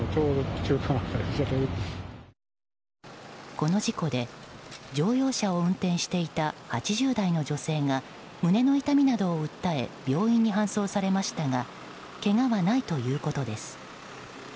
この事故で、乗用車を運転していた８０代の女性が胸の痛みなどを訴え病院に搬送されましたがけがはないということです。